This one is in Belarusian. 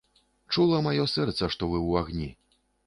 Чула маё сэрца, што вы ў агні.